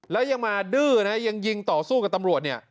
แล้วยังมาดื้อนะยังยิงต่อสู้กับตำรวจเนี่ย